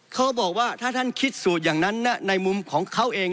เขาบอกว่าถ้าท่านคิดสูตรอย่างนั้นในมุมของเขาเอง